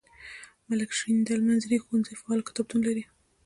ملک شیریندل منځنی ښوونځی فعال کتابتون لري.